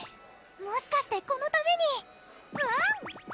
もしかしてこのためにうん！